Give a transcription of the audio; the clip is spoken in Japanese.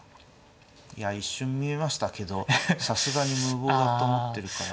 いや一瞬見えましたけどさすがに無謀と思ってるから。